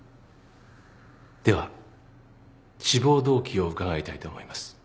では志望動機を伺いたいと思います。